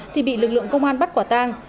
thì bị lực lượng công an bắt quả tang